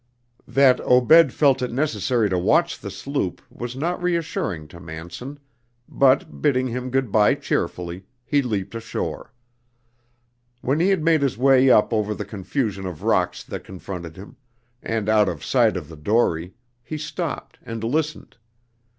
That Obed felt it necessary to watch the sloop was not reassuring to Manson, but, bidding him good bye cheerfully, he leaped ashore. When he had made his way up over the confusion of rocks that confronted him, and out of sight of the dory, he stopped and listened.